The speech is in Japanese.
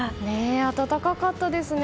暖かかったですね